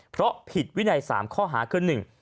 เพราะผิดวินัยสามข้อหาคือหนึ่ง